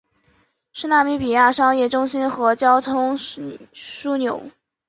是纳米比亚工商业中心和交通枢纽。